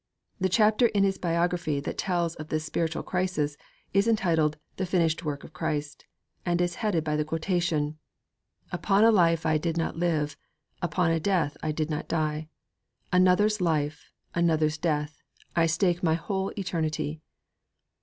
The chapter in his biography that tells of this spiritual crisis is entitled 'The Finished Work of Christ,' and it is headed by the quotation: Upon a life I did not live, Upon a death I did not die, Another's life, Another's death I stake my whole eternity.